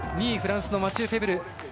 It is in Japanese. ２位、フランスのマチュー・フェブル。